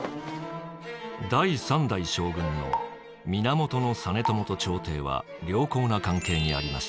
第三代将軍の源実朝と朝廷は良好な関係にありました。